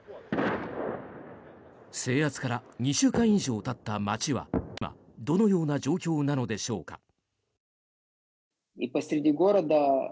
制圧から２週間以上たった街は今、どのような状況なのでしょうか。